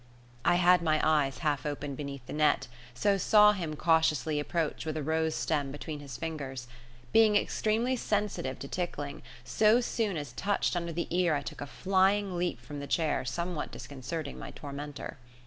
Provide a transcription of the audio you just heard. I had my eyes half open beneath the net, so saw him cautiously approach with a rose stem between his fingers. Being extremely sensitive to tickling, so soon as touched under the ear I took a flying leap from the chair somewhat disconcerting my tormentor.